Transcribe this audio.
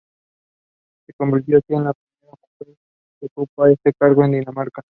Se convirtió, así, en la primera mujer en ocupar este cargo en Dinamarca.